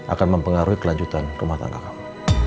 akan mempengaruhi kelanjutan rumah tangga kami